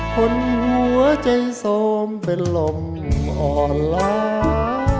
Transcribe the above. คนหัวใจโสมเป็นลมอ่อนล้า